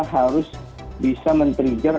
harus bisa mengerjak